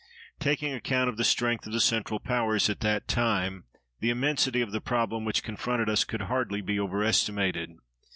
Taking account of the strength of the Central Powers at that time, the immensity of the problem which confronted us could hardly be overestimated.